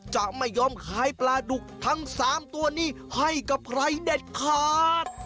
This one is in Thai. จะไม่ยอมขายปลาดุกทั้ง๓ตัวนี้ให้กับใครเด็ดขาด